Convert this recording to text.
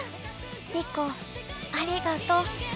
リコありがと！